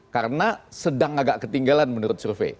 karena sedang agak ketinggalan menurut survei